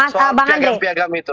soal piagam piagam itu